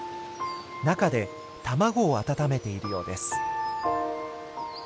中で卵を温めているようです。